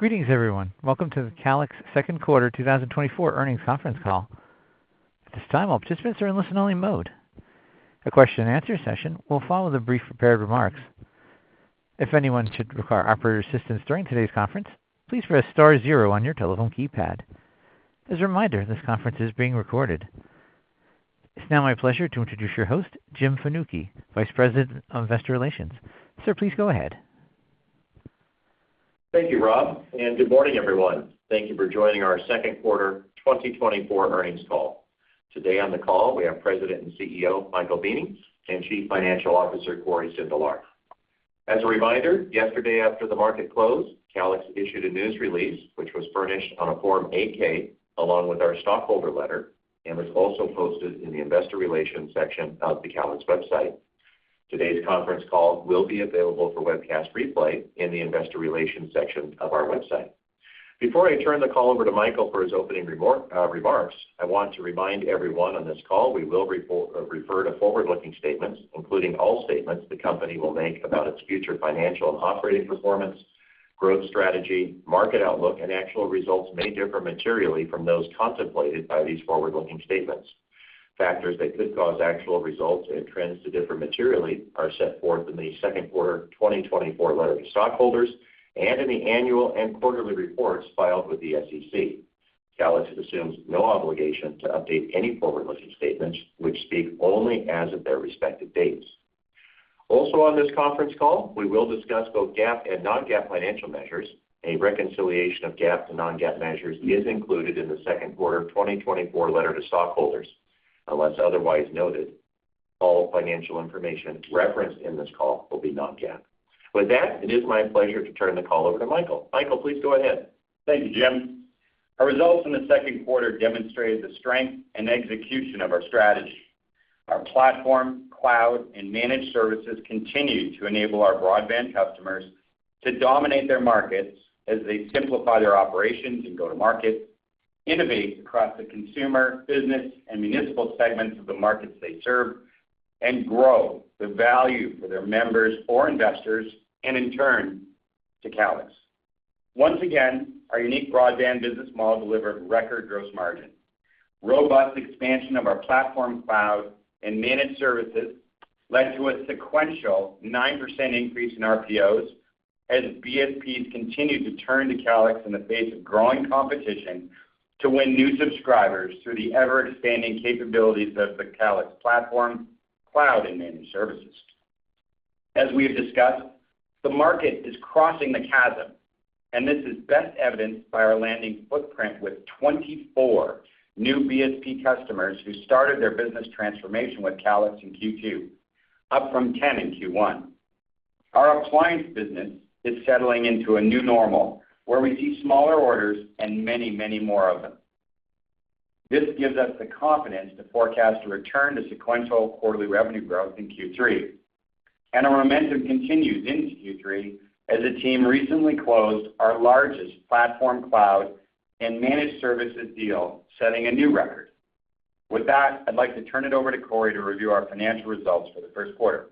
Greetings, everyone. Welcome to the Calix second quarter 2024 earnings conference call. At this time, all participants are in listen-only mode. A question-and-answer session will follow the brief prepared remarks. If anyone should require operator assistance during today's conference, please press star zero on your telephone keypad. As a reminder, this conference is being recorded. It's now my pleasure to introduce your host, Jim Fanucchi, Vice President of Investor Relations. Sir, please go ahead. Thank you, Rob, and good morning, everyone. Thank you for joining our second quarter 2024 earnings call. Today on the call, we have President and CEO, Michael Weening, and Chief Financial Officer, Cory Sindelar. As a reminder, yesterday after the market closed, Calix issued a news release, which was furnished on a Form 8-K, along with our stockholder letter, and was also posted in the investor relations section of the Calix website. Today's conference call will be available for webcast replay in the investor relations section of our website. Before I turn the call over to Michael for his opening remarks, I want to remind everyone on this call, we will refer to forward-looking statements, including all statements the company will make about its future financial and operating performance, growth strategy, market outlook, and actual results may differ materially from those contemplated by these forward-looking statements. Factors that could cause actual results and trends to differ materially are set forth in the second quarter 2024 letter to stockholders and in the annual and quarterly reports filed with the SEC. Calix assumes no obligation to update any forward-looking statements which speak only as of their respective dates. Also, on this conference call, we will discuss both GAAP and non-GAAP financial measures. A reconciliation of GAAP to non-GAAP measures is included in the second quarter 2024 letter to stockholders. Unless otherwise noted, all financial information referenced in this call will be Non-GAAP. With that, it is my pleasure to turn the call over to Michael. Michael, please go ahead. Thank you, Jim. Our results in the second quarter demonstrated the strength and execution of our strategy. Our platform, cloud, and managed services continue to enable our broadband customers to dominate their markets as they simplify their operations and go to market, innovate across the consumer, business, and municipal segments of the markets they serve, and grow the value for their members or investors, and in turn, to Calix. Once again, our unique broadband business model delivered record gross margin. Robust expansion of our platform, cloud, and managed services led to a sequential 9% increase in RPOs as BSPs continued to turn to Calix in the face of growing competition to win new subscribers through the ever-expanding capabilities of the Calix platform, cloud, and managed services. As we have discussed, the market is crossing the chasm, and this is best evidenced by our landing footprint with 24 new BSP customers who started their business transformation with Calix in Q2, up from 10 in Q1. Our appliance business is settling into a new normal, where we see smaller orders and many, many more of them. This gives us the confidence to forecast a return to sequential quarterly revenue growth in Q3. Our momentum continues into Q3 as the team recently closed our largest platform, cloud, and managed services deal, setting a new record. With that, I'd like to turn it over to Cory to review our financial results for the first quarter.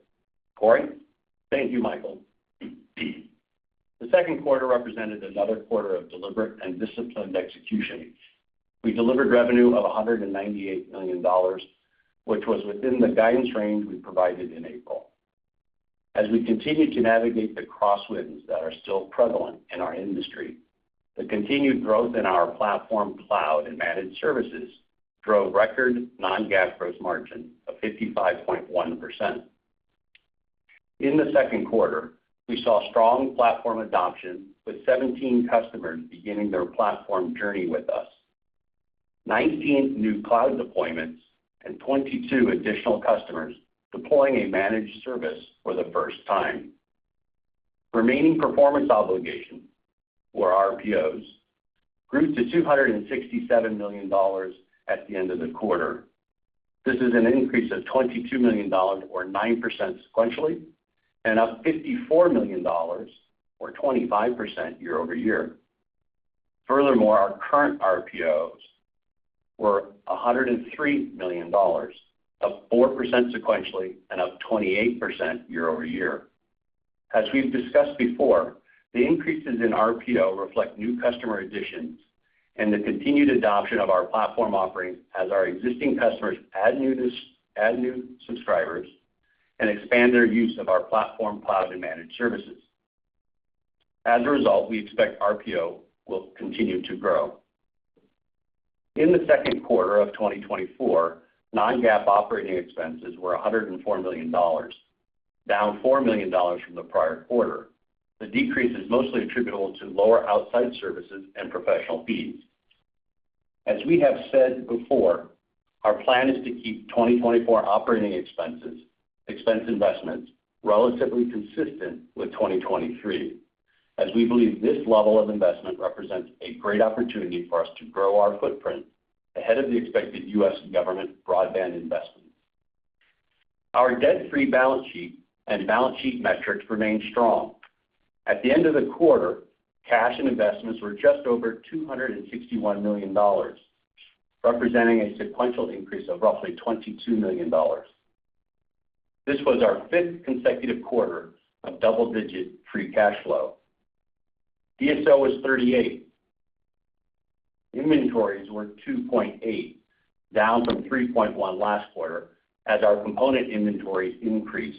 Cory? Thank you, Michael. The second quarter represented another quarter of deliberate and disciplined execution. We delivered revenue of $198 million, which was within the guidance range we provided in April. As we continue to navigate the crosswinds that are still prevalent in our industry, the continued growth in our platform, cloud, and managed services drove record non-GAAP gross margin of 55.1%. In the second quarter, we saw strong platform adoption, with 17 customers beginning their platform journey with us, 19 new cloud deployments, and 22 additional customers deploying a managed service for the first time. Remaining performance obligations, or RPOs, grew to $267 million at the end of the quarter. This is an increase of $22 million or 9% sequentially, and up $54 million or 25% year over year. Furthermore, our current RPOs were $103 million, up 4% sequentially and up 28% year-over-year. As we've discussed before, the increases in RPO reflect new customer additions and the continued adoption of our platform offerings as our existing customers add new subscribers and expand their use of our platform, cloud, and managed services. As a result, we expect RPO will continue to grow. In the second quarter of 2024, non-GAAP operating expenses were $104 million, down $4 million from the prior quarter. The decrease is mostly attributable to lower outside services and professional fees. As we have said before, our plan is to keep 2024 operating expenses, expense investments relatively consistent with 2023, as we believe this level of investment represents a great opportunity for us to grow our footprint ahead of the expected US government broadband investment. Our debt-free balance sheet and balance sheet metrics remain strong. At the end of the quarter, cash and investments were just over $261 million, representing a sequential increase of roughly $22 million. This was our 5th consecutive quarter of double-digit free cash flow. DSO was 38. Inventories were 2.8, down from 3.1 last quarter, as our component inventories increased.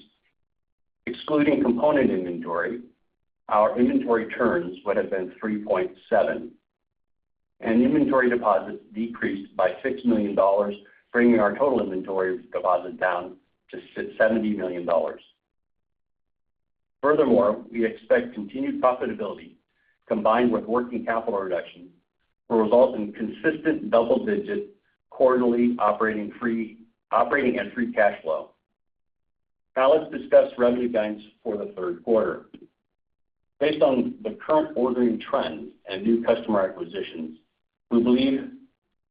Excluding component inventory, our inventory turns would have been 3.7, and inventory deposits decreased by $60 million, bringing our total inventory deposit down to seventy million dollars. Furthermore, we expect continued profitability, combined with working capital reduction, will result in consistent double-digit quarterly operating and free cash flow. Now, let's discuss revenue guidance for the third quarter. Based on the current ordering trends and new customer acquisitions, we believe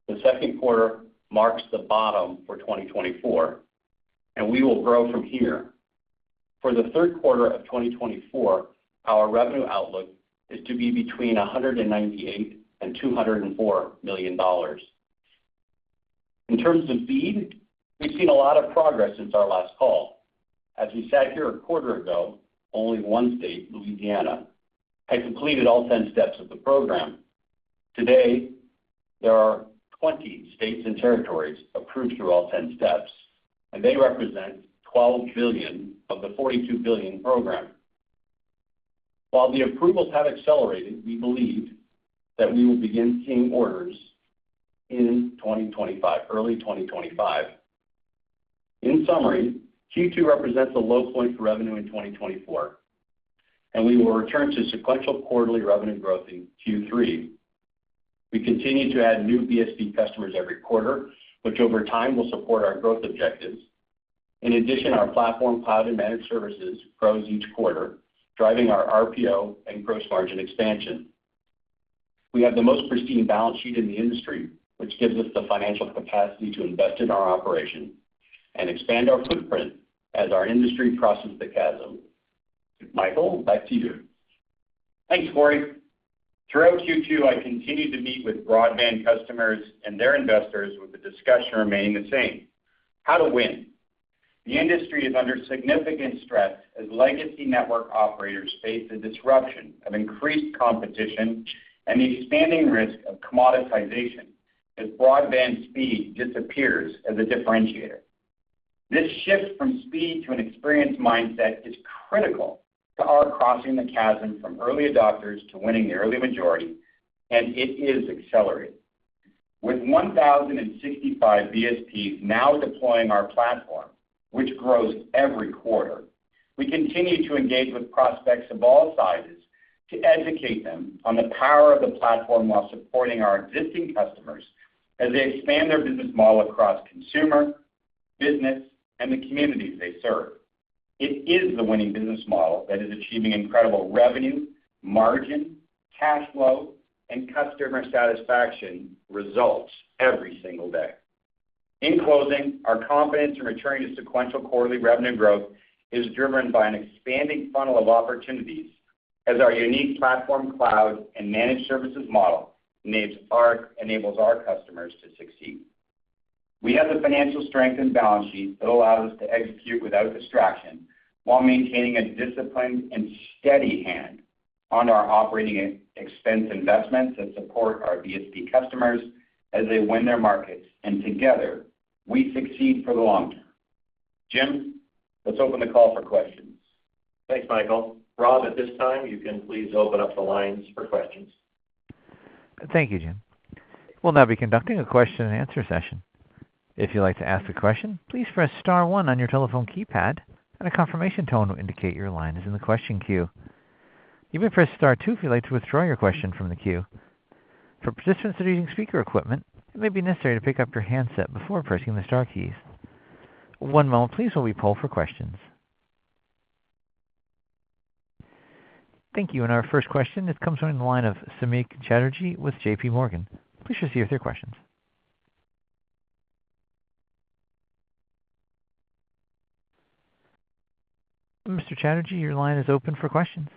the second quarter marks the bottom for 2024, and we will grow from here. For the third quarter of 2024, our revenue outlook is to be between $198 million and $204 million. In terms of BEAD, we've seen a lot of progress since our last call. As we sat here a quarter ago, only 1 state, Louisiana, had completed all 10 steps of the program. Today, there are 20 states and territories approved through all 10 steps, and they represent $12 billion of the $42 billion program. While the approvals have accelerated, we believe that we will begin seeing orders in 2025, early 2025. In summary, Q2 represents a low point for revenue in 2024, and we will return to sequential quarterly revenue growth in Q3. We continue to add new BSP customers every quarter, which over time will support our growth objectives. In addition, our platform, cloud, and managed services grows each quarter, driving our RPO and gross margin expansion. We have the most pristine balance sheet in the industry, which gives us the financial capacity to invest in our operation and expand our footprint as our industry crosses the chasm. Michael, back to you. Thanks, Cory. Throughout Q2, I continued to meet with broadband customers and their investors, with the discussion remaining the same: how to win. The industry is under significant stress as legacy network operators face the disruption of increased competition and the expanding risk of commoditization as broadband speed disappears as a differentiator. This shift from speed to an experience mindset is critical to our crossing the chasm from early adopters to winning the early majority, and it is accelerating. With 1,065 BSPs now deploying our platform, which grows every quarter, we continue to engage with prospects of all sizes to educate them on the power of the platform while supporting our existing customers as they expand their business model across consumer, business, and the communities they serve. It is the winning business model that is achieving incredible revenue, margin, cash flow, and customer satisfaction results every single day. In closing, our confidence in returning to sequential quarterly revenue growth is driven by an expanding funnel of opportunities as our unique platform, cloud, and managed services model enables our customers to succeed. We have the financial strength and balance sheet that allow us to execute without distraction while maintaining a disciplined and steady hand on our operating expense investments that support our BSP customers as they win their markets, and together, we succeed for the long term. Jim, let's open the call for questions. Thanks, Michael. Rob, at this time, you can please open up the lines for questions. Thank you, Jim. We'll now be conducting a question-and-answer session. If you'd like to ask a question, please press star one on your telephone keypad, and a confirmation tone will indicate your line is in the question queue. You may press star two if you'd like to withdraw your question from the queue. For participants that are using speaker equipment, it may be necessary to pick up your handset before pressing the star keys. One moment, please, while we poll for questions. Thank you. And our first question, it comes from the line of Samik Chatterjee with JPMorgan. Please proceed with your questions. Mr. Chatterjee, your line is open for questions.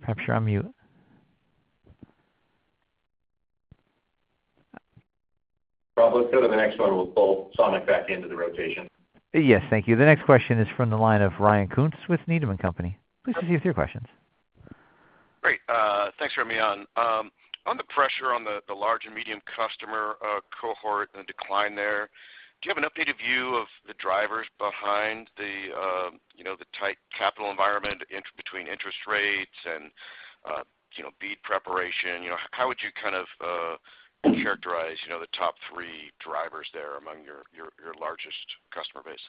Perhaps you're on mute. Rob, let's go to the next one. We'll pull Samik back into the rotation. Yes, thank you. The next question is from the line of Ryan Koontz with Needham & Company. Please proceed with your questions. Great, thanks for letting me on. On the pressure on the large and medium customer cohort and the decline there, do you have an updated view of the drivers behind the, you know, the tight capital environment in between interest rates and, you know, BEAD preparation? You know, how would you kind of characterize, you know, the top three drivers there among your largest customer base?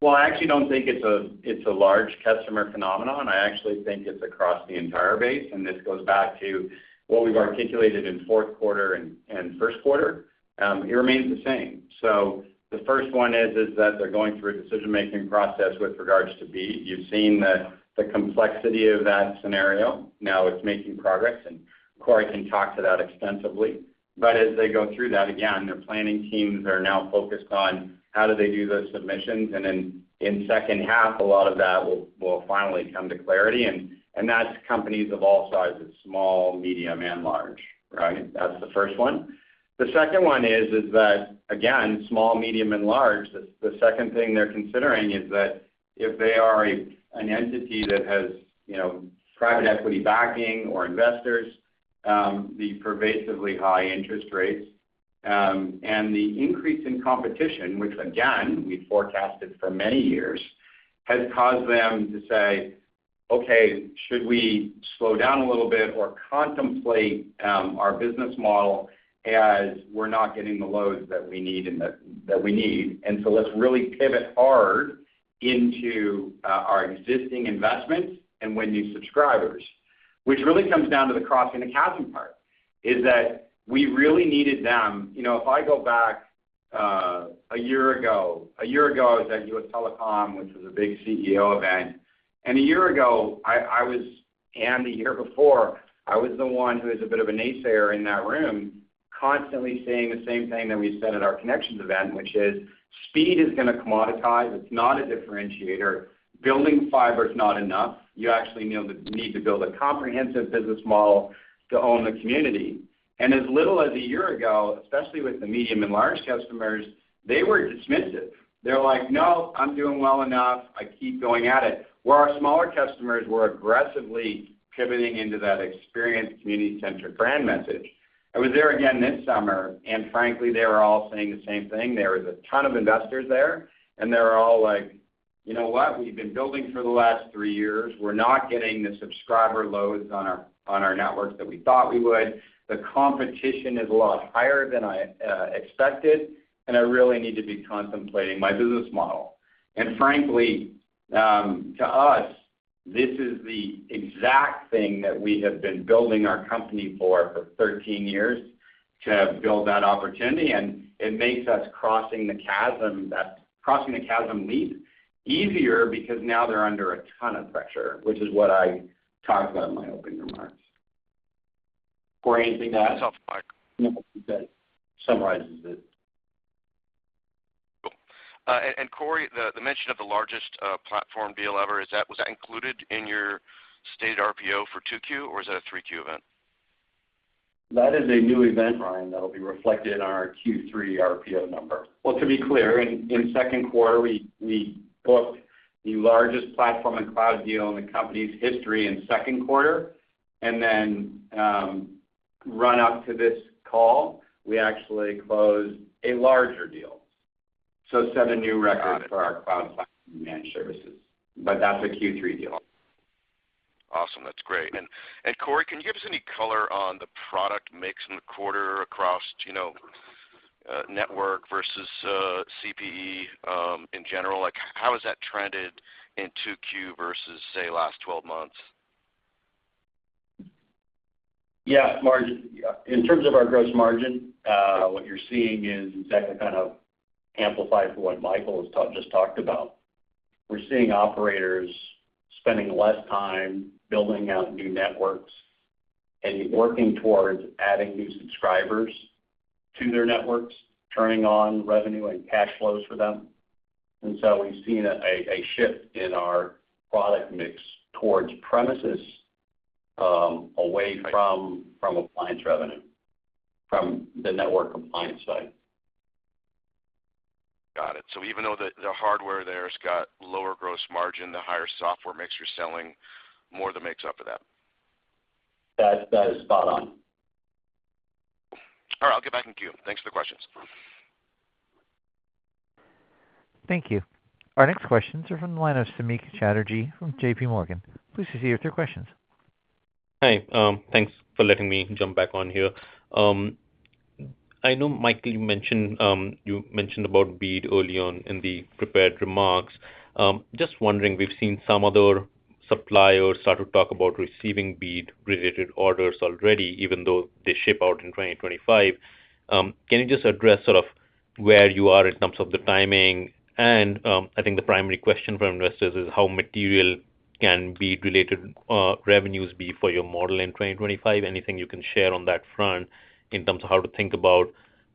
Well, I actually don't think it's a—it's a large customer phenomenon. I actually think it's across the entire base, and this goes back to what we've articulated in fourth quarter and first quarter. It remains the same. So the first one is that they're going through a decision-making process with regards to BEAD. You've seen the complexity of that scenario. Now it's making progress, and Cory can talk to that extensively. But as they go through that again, their planning teams are now focused on how do they do those submissions. And then in second half, a lot of that will finally come to clarity, and that's companies of all sizes, small, medium, and large, right? That's the first one. The second one is that, again, small, medium, and large, the second thing they're considering is that-... If they are an entity that has, you know, private equity backing or investors, the pervasively high interest rates, and the increase in competition, which again, we forecasted for many years, has caused them to say, "Okay, should we slow down a little bit or contemplate our business model as we're not getting the loads that we need and that we need? And so let's really pivot hard into our existing investments and win new subscribers," which really comes down to the crossing the chasm part, is that we really needed them. You know, if I go back a year ago, a year ago, I was at USTelecom, which was a big CEO event, and a year ago, I was—and the year before, I was the one who was a bit of a naysayer in that room, constantly saying the same thing that we said at our ConneXions event, which is: speed is going to commoditize. It's not a differentiator. Building fiber is not enough. You actually need to, need to build a comprehensive business model to own the community. And as little as a year ago, especially with the medium and large customers, they were dismissive. They were like, "No, I'm doing well enough. I keep going at it." Where our smaller customers were aggressively pivoting into that experienced community-centric brand message. I was there again this summer, and frankly, they were all saying the same thing. There was a ton of investors there, and they were all like, "You know what? We've been building for the last 3 years. We're not getting the subscriber loads on our networks that we thought we would. The competition is a lot higher than I expected, and I really need to be contemplating my business model." And frankly, to us, this is the exact thing that we have been building our company for, for 13 years, to build that opportunity, and it makes us Crossing the Chasm, that Crossing the Chasm leap easier because now they're under a ton of pressure, which is what I talked about in my opening remarks. Cory, anything to add? No, that summarizes it. Cool. And Cory, the mention of the largest platform deal ever, is that, was that included in your stated RPO for 2Q, or is that a 3Q event? That is a new event, Ryan, that'll be reflected in our Q3 RPO number. Well, to be clear, in second quarter, we booked the largest platform and cloud deal in the company's history in second quarter, and then, run up to this call, we actually closed a larger deal. So set a new record for our cloud managed services, but that's a Q3 deal. Awesome. That's great. And, Cory, can you give us any color on the product mix in the quarter across, you know, network versus CPE, in general? Like, how has that trended in 2Q versus, say, last 12 months? Yeah, margin. In terms of our gross margin, what you're seeing is exactly kind of amplified to what Michael has talked, just talked about. We're seeing operators spending less time building out new networks and working towards adding new subscribers to their networks, turning on revenue and cash flows for them. And so we've seen a shift in our product mix towards premises, away from appliance revenue, from the network compliance side. Got it. So even though the hardware there has got lower gross margin, the higher software mix you're selling, more than makes up for that. That is spot on. All right, I'll get back in queue. Thanks for the questions. Thank you. Our next questions are from the line of Samik Chatterjee from JPMorgan. Please proceed with your questions. Hi, thanks for letting me jump back on here. I know, Michael, you mentioned, you mentioned about BEAD early on in the prepared remarks. Just wondering, we've seen some other suppliers start to talk about receiving BEAD-related orders already, even though they ship out in 2025. Can you just address sort of where you are in terms of the timing? And, I think the primary question from investors is how material can BEAD-related revenues be for your model in 2025? Anything you can share on that front in terms of how to think about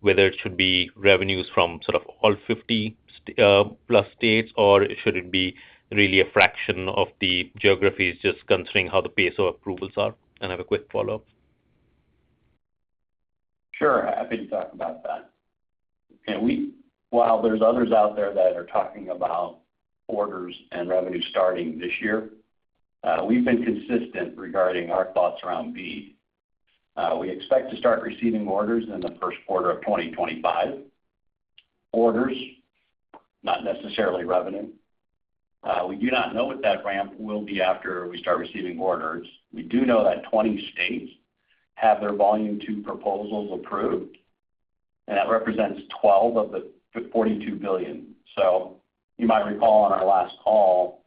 whether it should be revenues from sort of all 50 plus states, or should it be really a fraction of the geographies, just considering how the pace of approvals are? And I have a quick follow-up. Sure. Happy to talk about that. And while there's others out there that are talking about orders and revenue starting this year, we've been consistent regarding our thoughts around BEAD. We expect to start receiving orders in the first quarter of 2025. Orders, not necessarily revenue. We do not know what that ramp will be after we start receiving orders. We do know that 20 states have their Volume Two proposals approved, and that represents 12 of the $42 billion. So you might recall on our last call,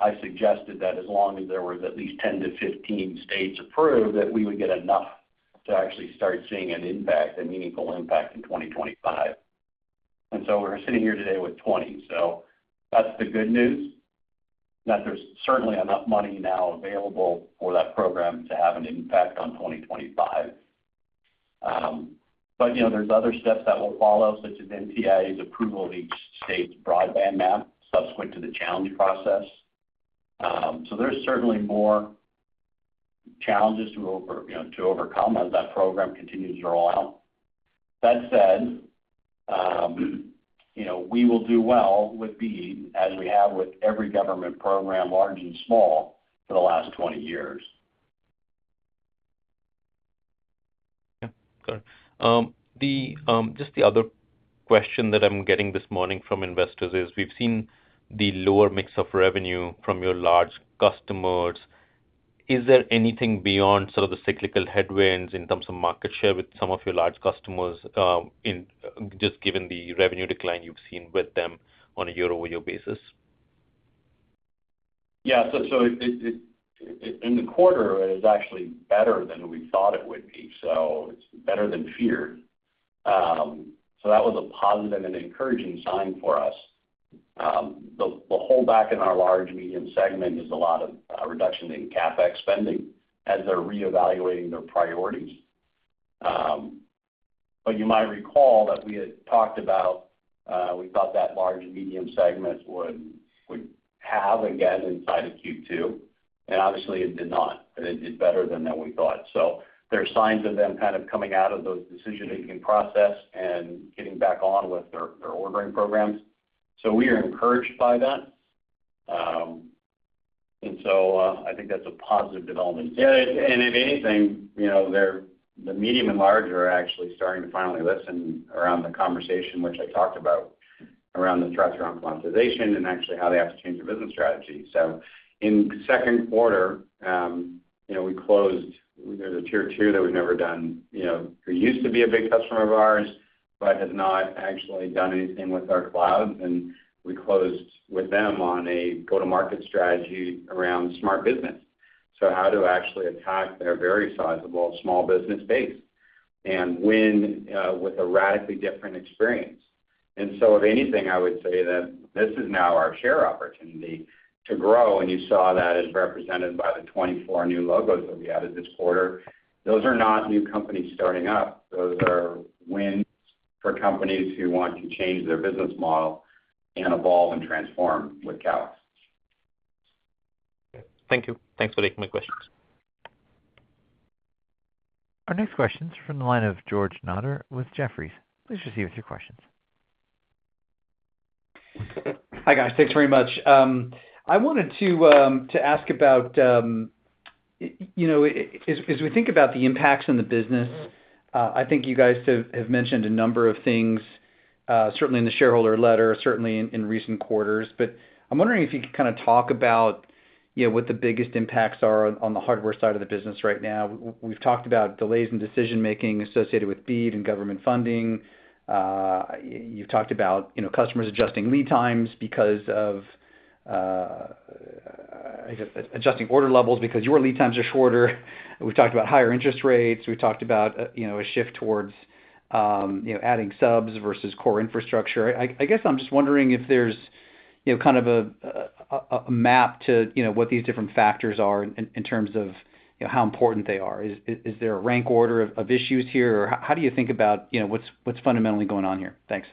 I suggested that as long as there was at least 10 to 15 states approved, that we would get enough to actually start seeing an impact, a meaningful impact in 2025. So we're sitting here today with 20. So that's the good news, that there's certainly enough money now available for that program to have an impact on 2025. But, you know, there's other steps that will follow, such as NTIA's approval of each state's broadband map, subsequent to the challenge process. So there's certainly more challenges to overcome, you know, as that program continues to roll out. That said, you know, we will do well with BEAD, as we have with every government program, large and small, for the last 20 years. Yeah, got it. The just the other question that I'm getting this morning from investors is, we've seen the lower mix of revenue from your large customers. Is there anything beyond sort of the cyclical headwinds in terms of market share with some of your large customers, in, just given the revenue decline you've seen with them on a year-over-year basis? Yeah, so it, in the quarter, it was actually better than we thought it would be, so it's better than feared. So that was a positive and encouraging sign for us. The holdback in our large medium segment is a lot of reduction in CapEx spending as they're reevaluating their priorities. But you might recall that we had talked about we thought that large and medium segments would have a gap inside of Q2, and obviously it did not, and it did better than that we thought. So there are signs of them kind of coming out of those decision-making process and getting back on with their ordering programs. So we are encouraged by that. And so I think that's a positive development. Yeah, and if anything, you know, they're the medium and large are actually starting to finally listen around the conversation, which I talked about, around the threats around quantization and actually how they have to change their business strategy. So in the second quarter, you know, we closed with a Tier 2 that we've never done, you know, who used to be a big customer of ours, but has not actually done anything with our cloud, and we closed with them on a go-to-market strategy around smart business. So how to actually attack their very sizable small business base, and win with a radically different experience. And so if anything, I would say that this is now our share opportunity to grow, and you saw that as represented by the 24 new logos that we added this quarter. Those are not new companies starting up. Those are wins for companies who want to change their business model and evolve and transform with Calix. Okay. Thank you. Thanks for taking my questions. Our next question is from the line of George Notter with Jefferies. Please proceed with your questions. Hi, guys. Thanks very much. I wanted to ask about, you know, as we think about the impacts on the business. I think you guys have mentioned a number of things, certainly in the shareholder letter, certainly in recent quarters. But I'm wondering if you could kind of talk about, you know, what the biggest impacts are on the hardware side of the business right now. We've talked about delays in decision-making associated with BEAD and government funding. You've talked about, you know, customers adjusting lead times because of adjusting order levels because your lead times are shorter. We've talked about higher interest rates. We've talked about, you know, a shift towards, you know, adding subs versus core infrastructure. I guess I'm just wondering if there's, you know, kind of a map to, you know, what these different factors are in terms of, you know, how important they are. Is there a rank order of issues here, or how do you think about, you know, what's fundamentally going on here? Thanks.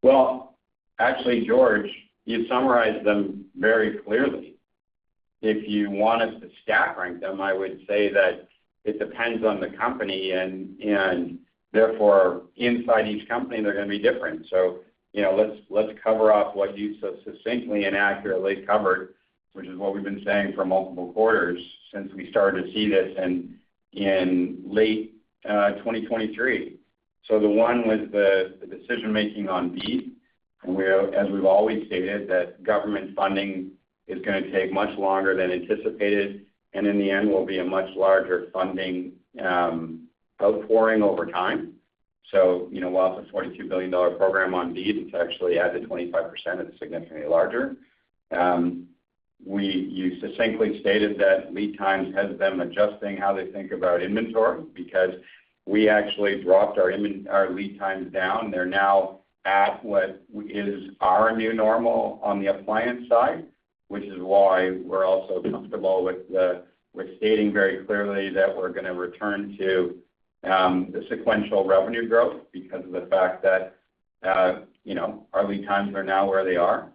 Well, actually, George, you summarized them very clearly. If you want us to staff rank them, I would say that it depends on the company, and, and therefore, inside each company, they're gonna be different. So, you know, let's, let's cover off what you so succinctly and accurately covered, which is what we've been saying for multiple quarters since we started to see this in, in late 2023. So the one was the, the decision making on BEAD, and we're, as we've always stated, that government funding is gonna take much longer than anticipated, and in the end, will be a much larger funding outpouring over time. So, you know, while it's a $42 billion program on BEAD, it's actually added 25%, it's significantly larger. You succinctly stated that lead times has them adjusting how they think about inventory, because we actually dropped our lead times down. They're now at what is our new normal on the appliance side, which is why we're also comfortable with stating very clearly that we're gonna return to the sequential revenue growth because of the fact that, you know, our lead times are now where they are.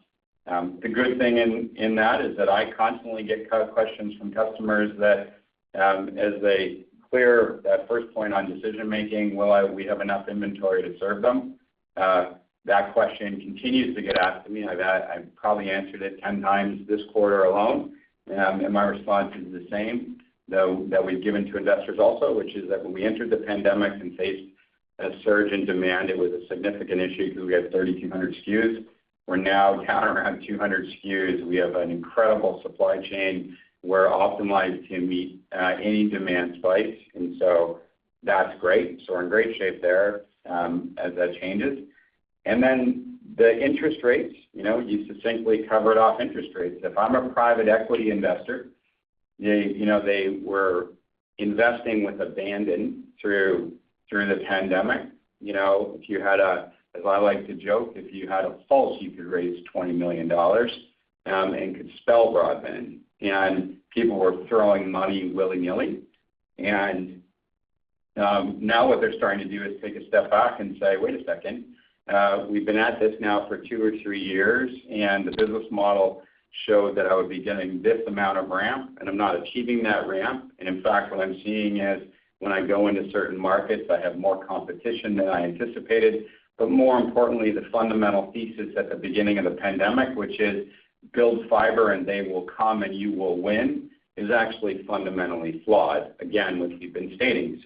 The good thing in that is that I constantly get questions from customers that, as they clear that first point on decision making, we have enough inventory to serve them? That question continues to get asked to me, like, I, I've probably answered it 10 times this quarter alone, and my response is the same, though, that we've given to investors also, which is that when we entered the pandemic and faced a surge in demand, it was a significant issue because we had 3,200 SKUs. We're now down around 200 SKUs. We have an incredible supply chain. We're optimized to meet any demand spikes, and so that's great. So we're in great shape there, as that changes. And then the interest rates, you know, you succinctly covered off interest rates. If I'm a private equity investor, they, you know, they were investing with abandon through, through the pandemic. You know, if you had a... As I like to joke, if you had a pulse, you could raise $20 million, and could spell broadband, and people were throwing money willy-nilly. Now what they're starting to do is take a step back and say, "Wait a second, we've been at this now for two or three years, and the business model showed that I would be getting this amount of ramp, and I'm not achieving that ramp. And in fact, what I'm seeing is when I go into certain markets, I have more competition than I anticipated." But more importantly, the fundamental thesis at the beginning of the pandemic, which is build fiber and they will come and you will win, is actually fundamentally flawed, again, which we've been stating.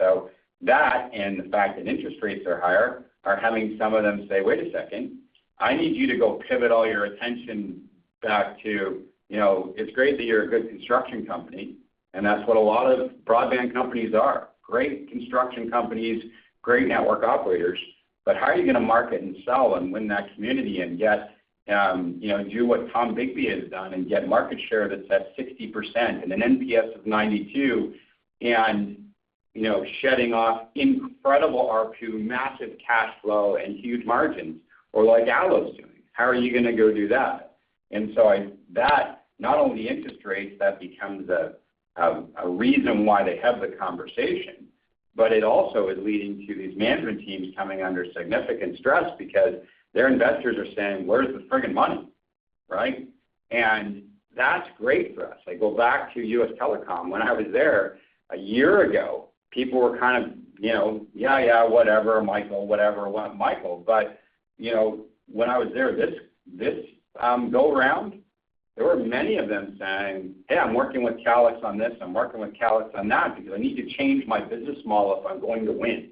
So that and the fact that interest rates are higher, are having some of them say, "Wait a second, I need you to go pivot all your attention back to, you know, it's great that you're a good construction company," and that's what a lot of broadband companies are, great construction companies, great network operators. But how are you gonna market and sell and win that community and get, you know, do what Tombigbee has done and get market share that's at 60% and an NPS of 92, and, you know, shedding off incredible ARPU, massive cash flow and huge margins, or like ALLO's doing? How are you gonna go do that? And so, not only interest rates, that becomes a reason why they have the conversation, but it also is leading to these management teams coming under significant stress because their investors are saying, "Where's the freaking money?" Right? And that's great for us. I go back to USTelecom. When I was there a year ago, people were kind of, you know, "Yeah, yeah, whatever, Michael. Whatever, what, Michael." But, you know, when I was there, this go around, there were many of them saying, "Hey, I'm working with Calix on this, I'm working with Calix on that, because I need to change my business model if I'm going to win."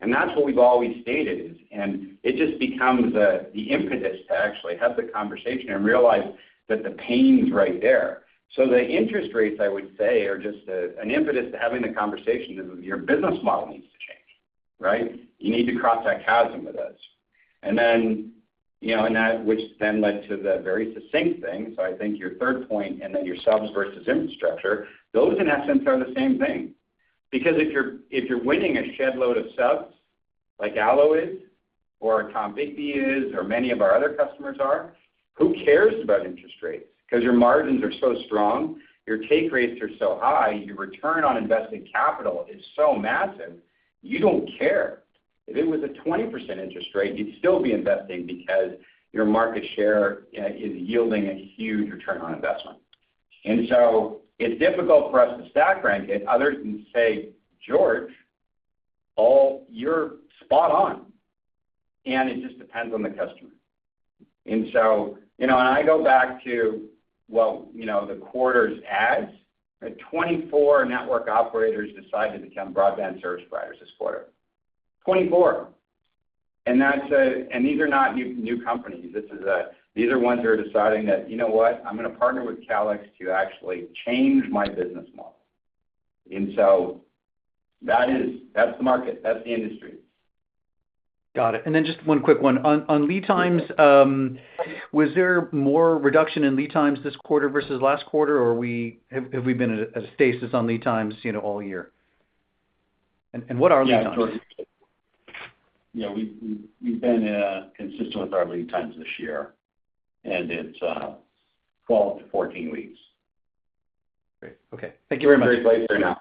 And that's what we've always stated, and it just becomes the impetus to actually have the conversation and realize that the pain's right there. So the interest rates, I would say, are just an impetus to having the conversation, your business model needs to change, right? You need to cross that chasm with us. And then, you know, and that, which then led to the very succinct thing. So I think your third point, and then your subs versus infrastructure, those in essence, are the same thing. Because if you're winning a shed load of subs, like ALLO is, or Tombigbee is, or many of our other customers are, who cares about interest rates? 'Cause your margins are so strong, your take rates are so high, your return on invested capital is so massive, you don't care. If it was a 20% interest rate, you'd still be investing because your market share is yielding a huge return on investment. And so it's difficult for us to stack rank it other than say, George, all-- you're spot on, and it just depends on the customer. And so, you know, and I go back to, well, you know, the quarter's adds, right? 24 network operators decided to become broadband service providers this quarter. 24. And that's a-- and these are not new, new companies. This is a-- these are ones that are deciding that, you know what? I'm gonna partner with Calix to actually change my business model. And so that is-- that's the market, that's the industry. Got it. And then just one quick one. On lead times, was there more reduction in lead times this quarter versus last quarter, or have we been at a stasis on lead times, you know, all year? And what are lead times? Yeah, we've been consistent with our lead times this year, and it's 12-14 weeks. Great. Okay. Thank you very much. Great place right now.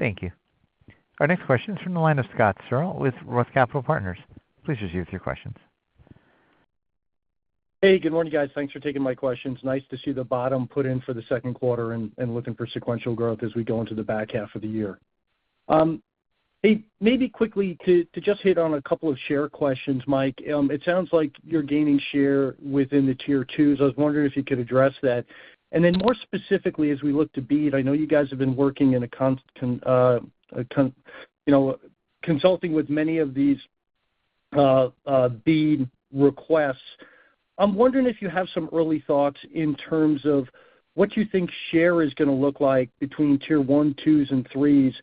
Thank you. Our next question is from the line of Scott Searle with ROTH MKM. Please proceed with your questions. Hey, good morning, guys. Thanks for taking my questions. Nice to see the bottom put in for the second quarter and looking for sequential growth as we go into the back half of the year. Hey, maybe quickly to just hit on a couple of share questions, Mike. It sounds like you're gaining share within the Tier 2s. I was wondering if you could address that. And then more specifically, as we look to BEAD, I know you guys have been working in a consulting with many of these BEAD requests. I'm wondering if you have some early thoughts in terms of what you think share is gonna look like between Tier 1, 2s, and 3s,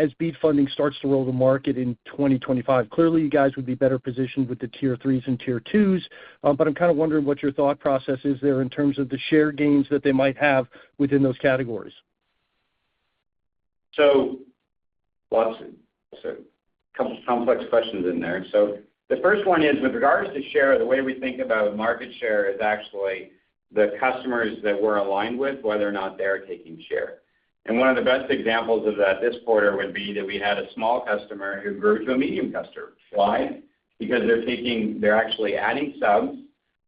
as BEAD funding starts to roll the market in 2025. Clearly, you guys would be better positioned with the Tier threes and Tier twos, but I'm kind of wondering what your thought process is there in terms of the share gains that they might have within those categories. So, a couple complex questions in there. So the first one is, with regards to share, the way we think about market share is actually the customers that we're aligned with, whether or not they're taking share. And one of the best examples of that this quarter would be that we had a small customer who grew to a medium customer. Why? Because they're actually adding subs,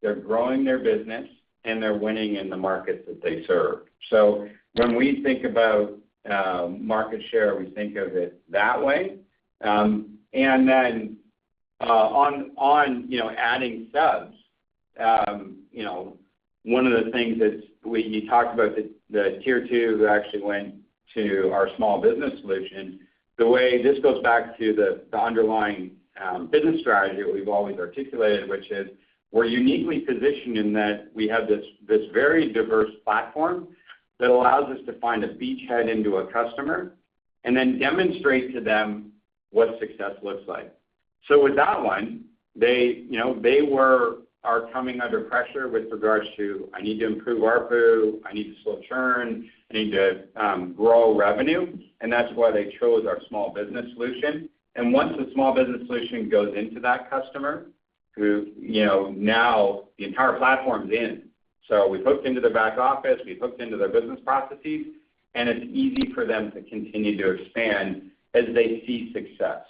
they're growing their business, and they're winning in the markets that they serve. So when we think about market share, we think of it that way. And then, on, on, you know, adding subs, you know, one of the things that you talked about the tier two that actually went to our small business solution. This goes back to the underlying business strategy that we've always articulated, which is, we're uniquely positioned in that we have this very diverse platform that allows us to find a beachhead into a customer, and then demonstrate to them what success looks like. So with that one, they, you know, they are coming under pressure with regards to, "I need to improve ARPU, I need to slow churn, I need to grow revenue," and that's why they chose our small business solution. And once the small business solution goes into that customer, who, you know, now the entire platform's in. So we've hooked into their back office, we've hooked into their business processes, and it's easy for them to continue to expand as they see success.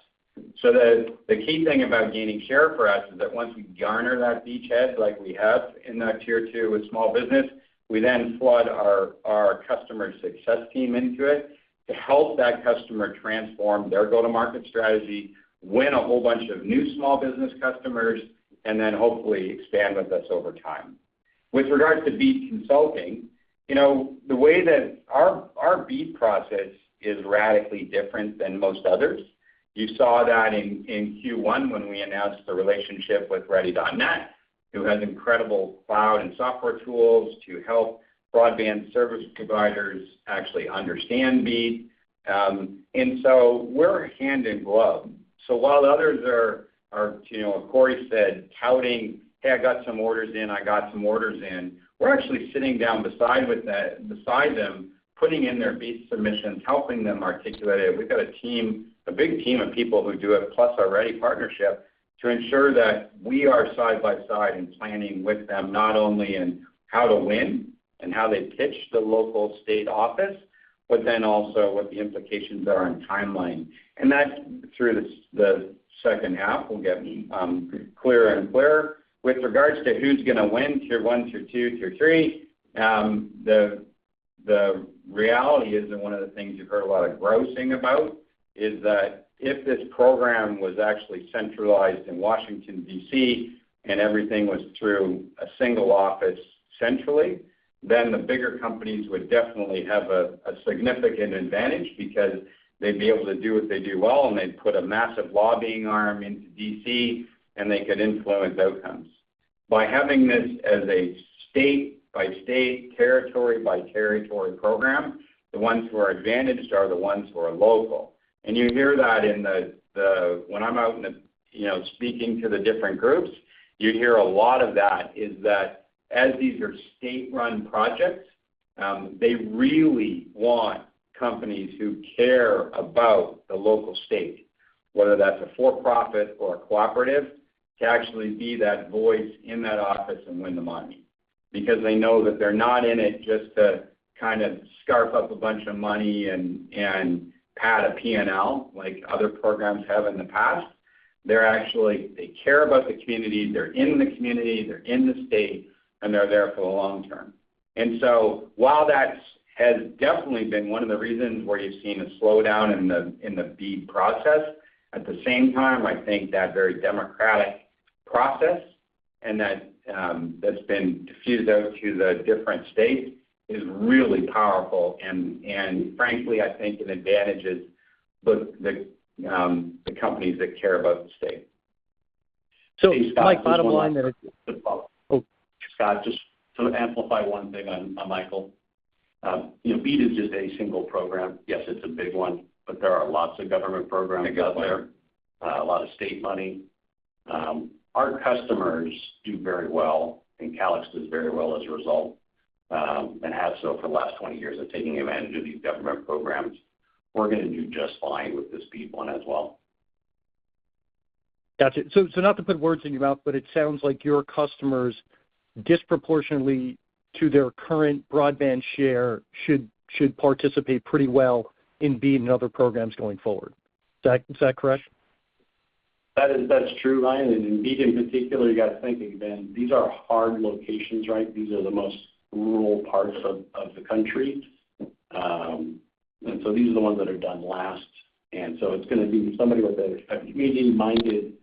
So the key thing about gaining share for us is that once we garner that beachhead, like we have in that Tier 2 with small business, we then flood our customer success team into it to help that customer transform their go-to-market strategy, win a whole bunch of new small business customers, and then hopefully expand with us over time. With regards to BEAD consulting, you know, the way that our BEAD process is radically different than most others. You saw that in Q1 when we announced the relationship with Ready.net, who has incredible cloud and software tools to help broadband service providers actually understand BEAD. And so we're hand in glove. So while others are, you know, Cory said, touting, "Hey, I got some orders in. I got some orders in," we're actually sitting down beside them, putting in their BEAD submissions, helping them articulate it. We've got a team, a big team of people who do it, plus our Ready partnership, to ensure that we are side by side in planning with them, not only in how to win and how they pitch the local state office, but then also what the implications are on timeline. And that, through the second half, will get clearer and clearer. With regards to who's gonna win Tier One, Tier Two, Tier Three, the reality is that one of the things you've heard a lot of grousing about is that if this program was actually centralized in Washington, D.C., and everything was through a single office centrally, then the bigger companies would definitely have a significant advantage because they'd be able to do what they do well, and they'd put a massive lobbying arm into D.C., and they could influence outcomes. By having this as a state-by-state, territory-by-territory program, the ones who are advantaged are the ones who are local. And you hear that in the... When I'm out in the, you know, speaking to the different groups, you hear a lot of that, is that as these are state-run projects, they really want companies who care about the local state, whether that's a for-profit or a cooperative, to actually be that voice in that office and win the money. Because they know that they're not in it just to kind of scarf up a bunch of money and pad a P&L, like other programs have in the past. They're actually, they care about the community, they're in the community, they're in the state, and they're there for the long term. And so while that has definitely been one of the reasons where you've seen a slowdown in the BEAD process, at the same time, I think that very democratic process, and that that's been diffused out to the different states, is really powerful. And frankly, I think it advantages both the companies that care about the state. So, Mike, bottom line there- Just follow up. Oh. Scott, just to amplify one thing on Michael. You know, BEAD is just a single program. Yes, it's a big one, but there are lots of government programs out there, a lot of state money. Our customers do very well, and Calix does very well as a result, and has so for the last 20 years of taking advantage of these government programs. We're gonna do just fine with this BEAD one as well. Got you. So not to put words in your mouth, but it sounds like your customers, disproportionately to their current broadband share, should participate pretty well in BEAD and other programs going forward. Is that correct? That is, that's true, Ryan, and in BEAD, in particular, you gotta think, again, these are hard locations, right? These are the most rural parts of the country. And so these are the ones that are done last. And so it's gonna be somebody with a community-minded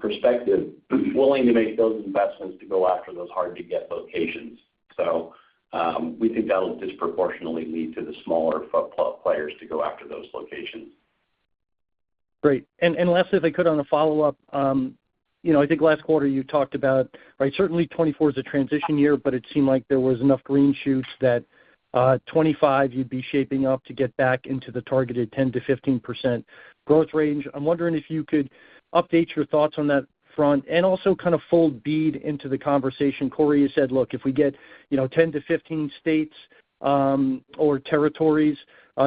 perspective, willing to make those investments to go after those hard-to-get locations. So, we think that'll disproportionately lead to the smaller players to go after those locations. Great. And last, if I could, on a follow-up, you know, I think last quarter you talked about, right, certainly 2024 is a transition year, but it seemed like there was enough green shoots that 2025 you'd be shaping up to get back into the targeted 10%-15% growth range. I'm wondering if you could update your thoughts on that front, and also kind of fold BEAD into the conversation. Cory, you said, look, if we get, you know, 10-15 states or territories,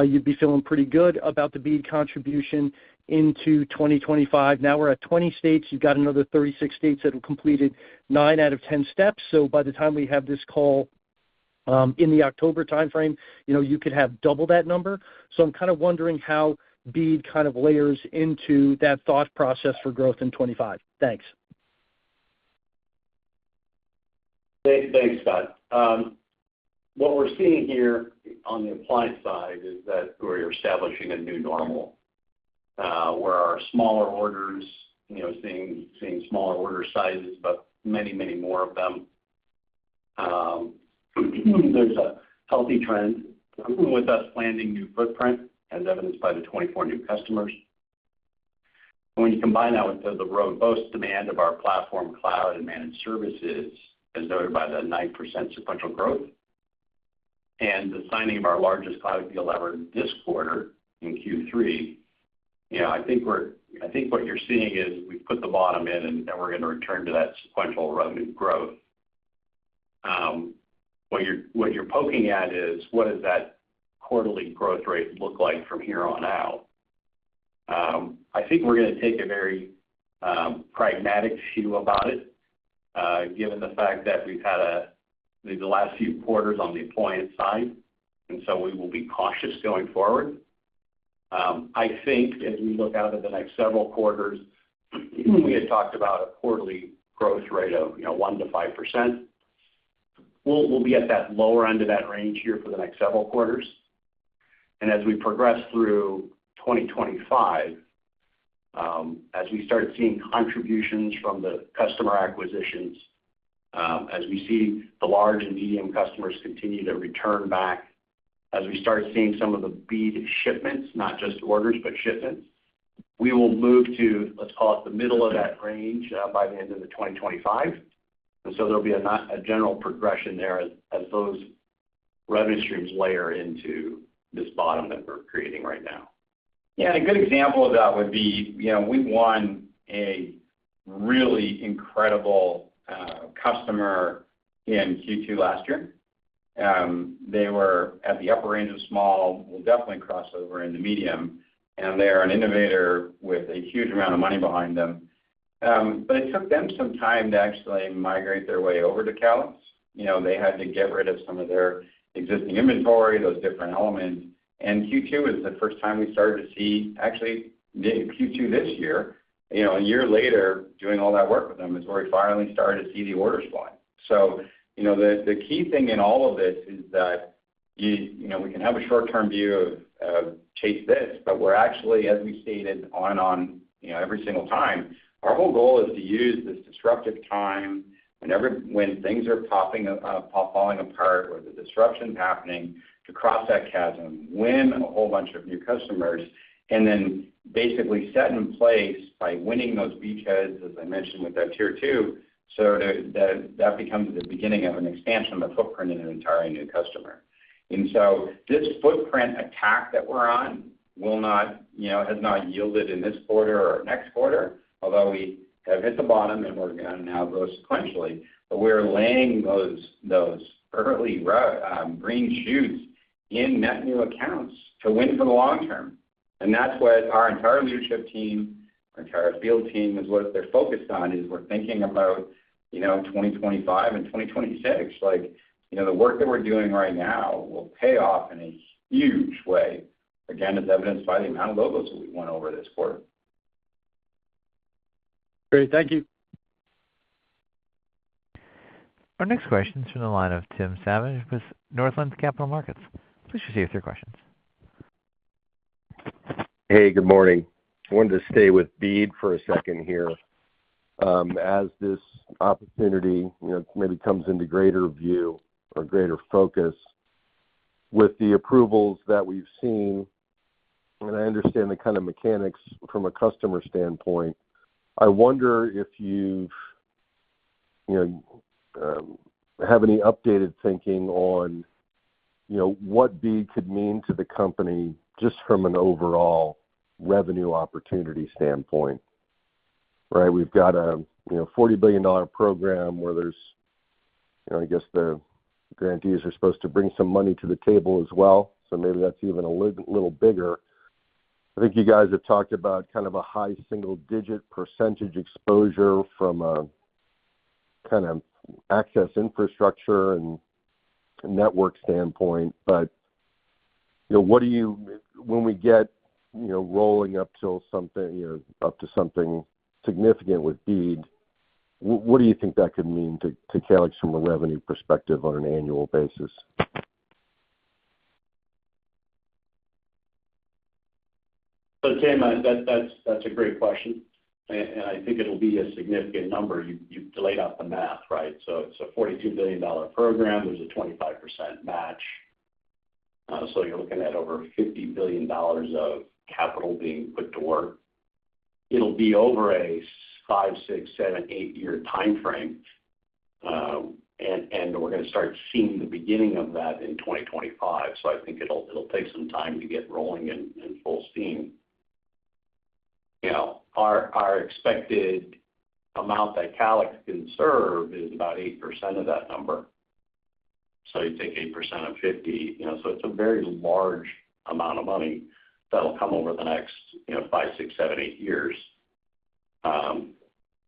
you'd be feeling pretty good about the BEAD contribution into 2025. Now we're at 20 states. You've got another 36 states that have completed 9 out of 10 steps. So by the time we have this call in the October timeframe, you know, you could have double that number. So I'm kind of wondering how BEAD kind of layers into that thought process for growth in 2025? Thanks. Thanks, thanks, Scott. What we're seeing here on the appliance side is that we're establishing a new normal, where our smaller orders, you know, seeing smaller order sizes, but many, many more of them. There's a healthy trend with us landing new footprint, as evidenced by the 24 new customers. When you combine that with the robust demand of our platform, cloud and managed services, as noted by the 9% sequential growth, and the signing of our largest cloud deal ever this quarter, in Q3, you know, I think we're. I think what you're seeing is we've put the bottom in, and, and we're gonna return to that sequential revenue growth. What you're, what you're poking at is, what does that quarterly growth rate look like from here on out? I think we're gonna take a very pragmatic view about it, given the fact that we've had the last few quarters on the appliance side, and so we will be cautious going forward. I think as we look out at the next several quarters, we had talked about a quarterly growth rate of, you know, 1%-5%. We'll be at that lower end of that range here for the next several quarters. And as we progress through 2025, as we start seeing contributions from the customer acquisitions, as we see the large and medium customers continue to return back, as we start seeing some of the BEAD shipments, not just orders, but shipments, we will move to, let's call it, the middle of that range by the end of 2025. And so there'll be a general progression there as those revenue streams layer into this bottom that we're creating right now. Yeah, and a good example of that would be, you know, we won a really incredible customer in Q2 last year. They were at the upper range of small, will definitely cross over into medium, and they are an innovator with a huge amount of money behind them. But it took them some time to actually migrate their way over to Calix. You know, they had to get rid of some of their existing inventory, those different elements. And Q2 is the first time we started to see, actually, Q2 this year, you know, a year later, doing all that work with them, is where we finally started to see the orders fly. So you know, the key thing in all of this is that you know, we can have a short-term view of chasing this, but we're actually, as we stated on and on, you know, every single time, our whole goal is to use this disruptive time when things are popping, falling apart or the disruption happening, to cross that chasm, win a whole bunch of new customers, and then basically set in place by winning those beachheads, as I mentioned, with that tier two, so that that becomes the beginning of an expansion of the footprint in an entirely new customer. And so this footprint attack that we're on will not, you know, has not yielded in this quarter or next quarter, although we have hit the bottom, and we're gonna now grow sequentially. But we're laying those early roots, green shoots in net new accounts to win for the long term. And that's what our entire leadership team, our entire field team, is what they're focused on, is we're thinking about, you know, 2025 and 2026. Like, you know, the work that we're doing right now will pay off in a huge way, again, as evidenced by the amount of logos that we won over this quarter. Great. Thank you. Our next question is from the line of Tim Savageaux with Northland Capital Markets. Please proceed with your questions. Hey, good morning. I wanted to stay with BEAD for a second here. As this opportunity, you know, maybe comes into greater view or greater focus with the approvals that we've seen, and I understand the kind of mechanics from a customer standpoint, I wonder if you've, you know, have any updated thinking on, you know, what BEAD could mean to the company just from an overall revenue opportunity standpoint, right? We've got a, you know, $40 billion program where there's, you know, I guess, the grantees are supposed to bring some money to the table as well, so maybe that's even a little bigger. I think you guys have talked about kind of a high single-digit % exposure from a kind of access, infrastructure, and network standpoint. You know, when we get, you know, rolling up to something, you know, up to something significant with BEAD, what do you think that could mean to Calix from a revenue perspective on an annual basis? So Tim, that's a great question, and I think it'll be a significant number. You've laid out the math, right? So it's a $42 billion program. There's a 25% match, so you're looking at over $50 billion of capital being put to work. It'll be over a 5-8-year timeframe, and we're gonna start seeing the beginning of that in 2025. So I think it'll take some time to get rolling and full steam. You know, our expected amount that Calix can serve is about 8% of that number. So you take 8% of 50, you know, so it's a very large amount of money that'll come over the next 5-8 years.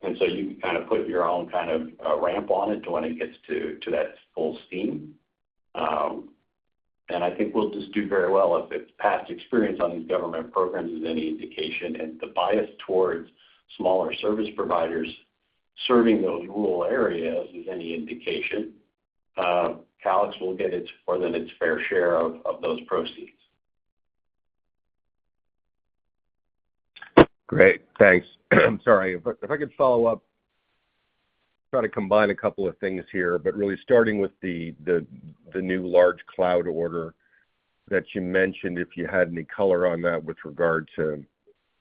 And so you can kind of put your own kind of ramp on it to when it gets to that full steam. And I think we'll just do very well. If the past experience on these government programs is any indication, and the bias towards smaller service providers serving those rural areas is any indication, Calix will get its more than its fair share of those proceeds. Great. Thanks. I'm sorry, but if I could follow up, try to combine a couple of things here, but really starting with the new large cloud order that you mentioned, if you had any color on that with regard to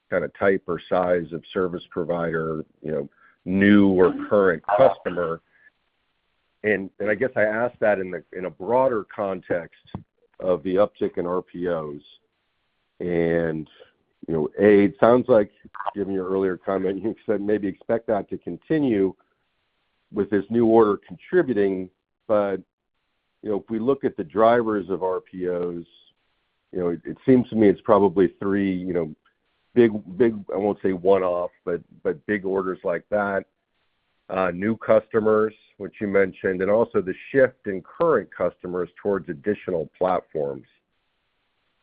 kind of type or size of service provider, you know, new or current customer. And I guess I ask that in a broader context of the uptick in RPOs.... And, you know, it sounds like, given your earlier comment, you said maybe expect that to continue with this new order contributing. But, you know, if we look at the drivers of RPOs, you know, it seems to me it's probably three, you know, big, I won't say one-off, but big orders like that. New customers, which you mentioned, and also the shift in current customers towards additional platforms.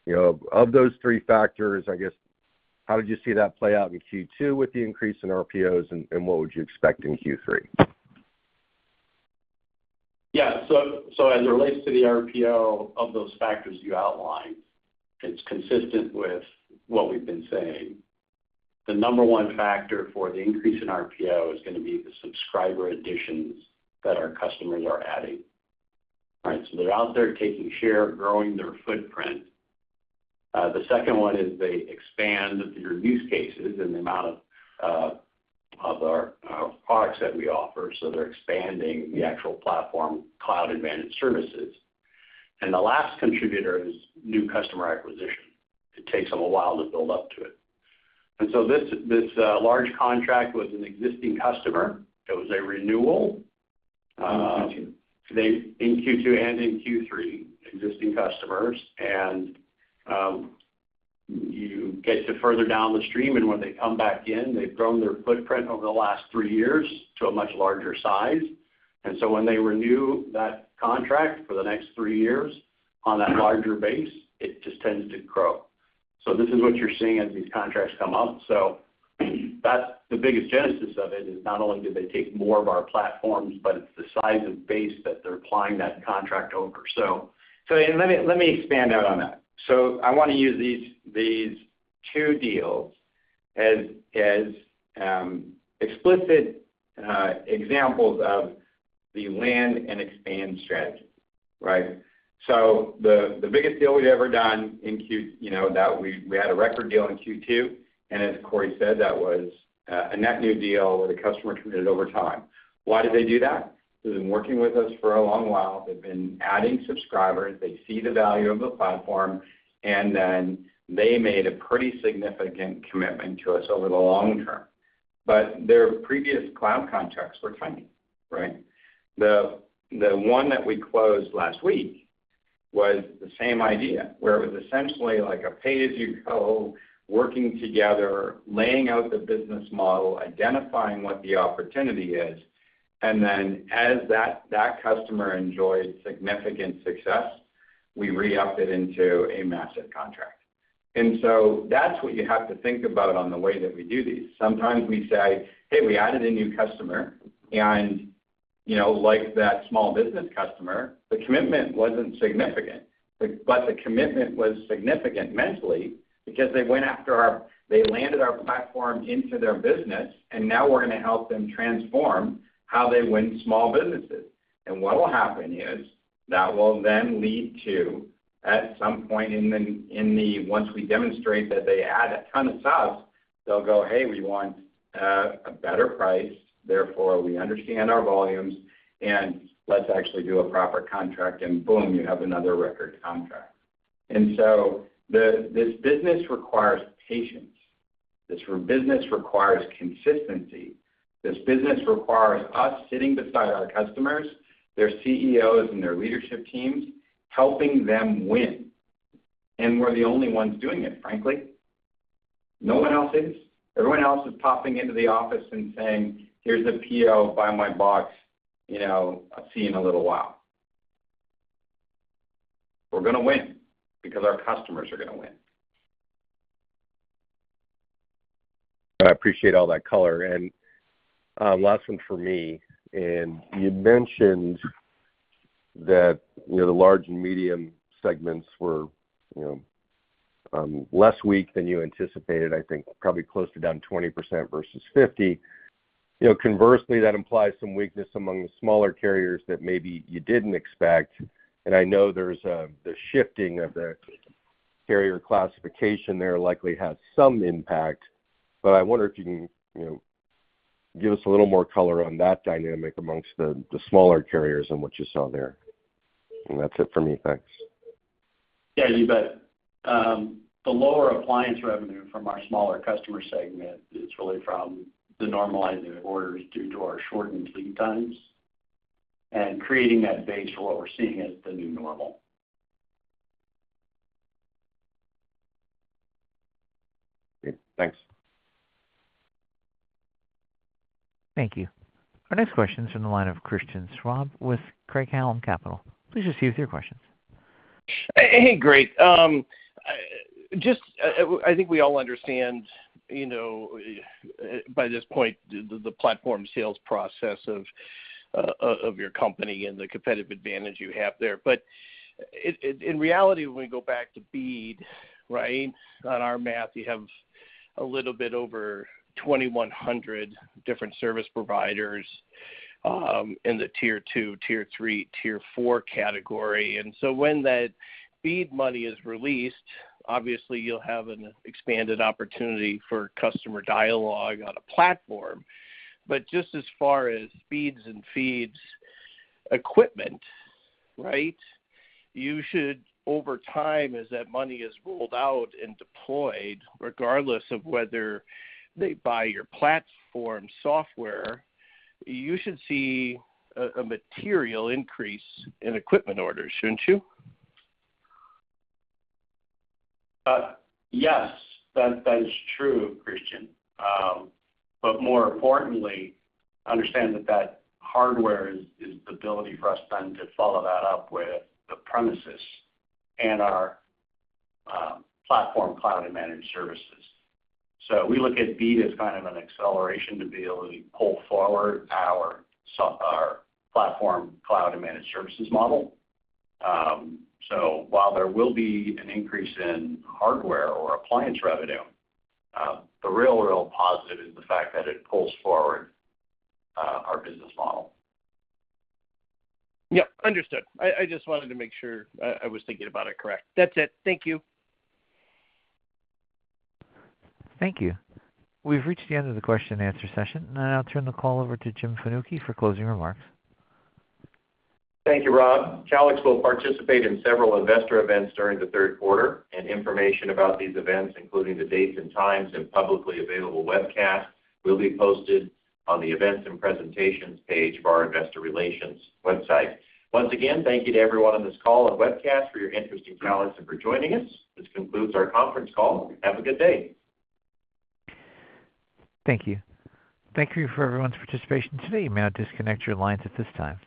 You know, of those three factors, I guess, how did you see that play out in Q2 with the increase in RPOs, and what would you expect in Q3? Yeah. So as it relates to the RPO of those factors you outlined, it's consistent with what we've been saying. The number one factor for the increase in RPO is gonna be the subscriber additions that our customers are adding. All right, so they're out there taking share, growing their footprint. The second one is they expand their use cases and the amount of our products that we offer, so they're expanding the actual platform, cloud advantage services. And the last contributor is new customer acquisition. It takes them a while to build up to it. And so this large contract was an existing customer. It was a renewal. In Q2. In Q2 and in Q3, existing customers. And you get further down the stream, and when they come back in, they've grown their footprint over the last three years to a much larger size. And so when they renew that contract for the next three years on that larger base, it just tends to grow. So this is what you're seeing as these contracts come up. So that's the biggest genesis of it, is not only do they take more of our platforms, but it's the size of base that they're applying that contract over. So and let me expand out on that. So I wanna use these two deals as explicit examples of the land and expand strategy, right? So the biggest deal we've ever done in Q2, you know, that we had a record deal in Q2, and as Cory said, that was a net new deal where the customer committed over time. Why did they do that? They've been working with us for a long while. They've been adding subscribers. They see the value of the platform, and then they made a pretty significant commitment to us over the long term. But their previous cloud contracts were tiny, right? The one that we closed last week was the same idea, where it was essentially like a pay-as-you-go, working together, laying out the business model, identifying what the opportunity is, and then as that customer enjoyed significant success, we re-upped it into a massive contract. And so that's what you have to think about on the way that we do these. Sometimes we say, "Hey, we added a new customer," and, you know, like that small business customer, the commitment wasn't significant. But the commitment was significant mentally because they went after our... They landed our platform into their business, and now we're gonna help them transform how they win small businesses. And what will happen is, that will then lead to, at some point, once we demonstrate that they add a ton of subs, they'll go, "Hey, we want a better price. Therefore, we understand our volumes, and let's actually do a proper contract." And boom, you have another record contract. And so this business requires patience. This business requires consistency. This business requires us sitting beside our customers, their CEOs and their leadership teams, helping them win, and we're the only ones doing it, frankly. No one else is. Everyone else is popping into the office and saying, "Here's a PO, buy my box. You know, I'll see you in a little while." We're gonna win because our customers are gonna win. I appreciate all that color, and last one for me. And you mentioned that, you know, the large and medium segments were, you know, less weak than you anticipated, I think probably close to down 20% versus 50. You know, conversely, that implies some weakness among the smaller carriers that maybe you didn't expect. And I know there's the shifting of the carrier classification there likely has some impact. But I wonder if you can, you know, give us a little more color on that dynamic amongst the smaller carriers and what you saw there. And that's it for me. Thanks. Yeah, you bet. The lower appliance revenue from our smaller customer segment is really from the normalizing of orders due to our shortened lead times and creating that base for what we're seeing as the new normal. Great. Thanks. Thank you. Our next question is from the line of Christian Schwab with Craig-Hallum Capital. Please proceed with your questions. Hey, great. I think we all understand, you know, by this point, the platform sales process of your company and the competitive advantage you have there. But in reality, when we go back to BEAD, right? On our math, you have a little bit over 2,100 different service providers in the Tier 2, Tier 3, Tier 4 category. And so when that BEAD money is released, obviously you'll have an expanded opportunity for customer dialogue on a platform. But just as far as BEAD and CPE equipment, right, you should, over time, as that money is rolled out and deployed, regardless of whether they buy your platform software, see a material increase in equipment orders, shouldn't you? Yes, that, that is true, Christian. But more importantly, understand that that hardware is, is the ability for us then to follow that up with the premises and our platform cloud and managed services. So we look at BEAD as kind of an acceleration to be able to pull forward our our platform, cloud, and managed services model. So while there will be an increase in hardware or appliance revenue, the real, real positive is the fact that it pulls forward our business model. Yep, understood. I just wanted to make sure I was thinking about it correct. That's it. Thank you. Thank you. We've reached the end of the question and answer session. Now I'll turn the call over to Jim Fanucchi for closing remarks. Thank you, Rob. Calix will participate in several investor events during the third quarter, and information about these events, including the dates and times and publicly available webcast, will be posted on the Events and Presentations page of our Investor Relations website. Once again, thank you to everyone on this call and webcast for your interest in Calix and for joining us. This concludes our conference call. Have a good day. Thank you. Thank you for everyone's participation today. You may now disconnect your lines at this time.